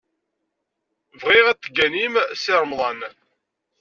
Bɣiɣ ad tegganim Si Remḍan.